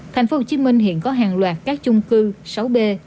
thành phố hồ chí minh hiện có hàng loạt các chung cư sáu b